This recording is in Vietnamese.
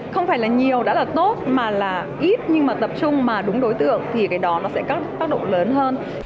không phải là nhiều đã là tốt mà là ít nhưng mà tập trung mà đúng đối tượng thì cái đó nó sẽ có tác động lớn hơn